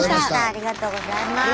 ありがとうございます。